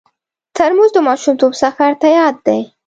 ترموز د ماشومتوب سفر ته یاد دی.